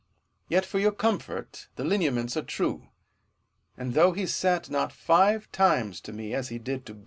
Yet, for your comfort, the lineaments are true ; and though he sat not five times to me, as he did to B.